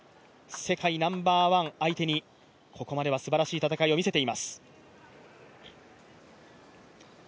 世界ナンバーワン相手にここまではすばらしい戦いを見せています。